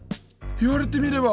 言われてみれば。